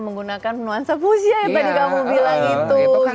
menggunakan nuansa fuchsia yang tadi kamu bilang gitu